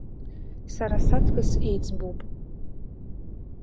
Сара саҵкыс еиҵбуп.